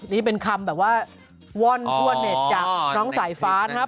นี่เป็นคำแบบว่าว่อนทั่วเน็ตจากน้องสายฟ้านะครับ